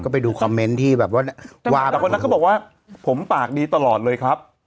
ไปดูคอมเมนต์ที่แบบว่าเนี่ยแต่คนนั้นก็บอกว่าผมปากดีตลอดเลยครับ